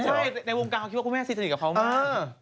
ใช่ในวงการเขาคิดว่าคุณแม่ซีสนิทกับเขามาก